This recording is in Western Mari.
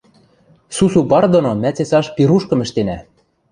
Сусу пар доно мӓ цецаш пирушкым ӹштенӓ...